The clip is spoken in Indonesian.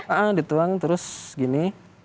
ah dituang terus gini